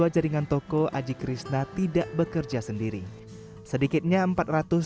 tiga puluh dua jaringan toko ajik krishna tidak bekerja sendiri sedikitnya empat ratus tujuh puluh lima umkm di bali dilibatkan